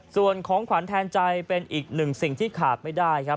ส่วนของขวัญแทนใจเป็นอีกหนึ่งสิ่งที่ขาดไม่ได้ครับ